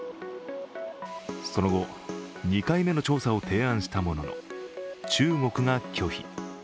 その後、２回目の調査を提案したものの、中国が拒否。